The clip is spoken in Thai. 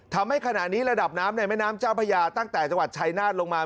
ทำให้ขณะนี้ระดับน้ำในแม่น้ำเจ้าพญาตั้งแต่จังหวัดชายนาฏลงมา